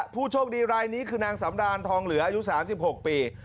ผู้โชคดีรายนี้คือนางสำรานทองเหลืออายุ๓๖ปี